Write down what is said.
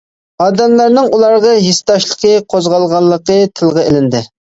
ئادەملەرنىڭ ئۇلارغا ھېسداشلىقى قوزغالغانلىقى تىلغا ئېلىندى.